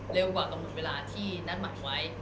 เร็วกว่ากับมุมเวลาที่นัดหมายไว้